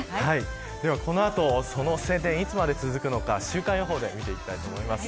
ではこの後、その晴天いつまで続くのか、週間予報で見ていきたいと思います。